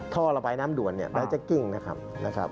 ท่อระบายน้ำด่วนเนี่ยแม้จะกิ้งนะครับ